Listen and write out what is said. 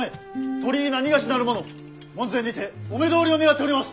鳥居なにがしなる者門前にてお目通りを願っております！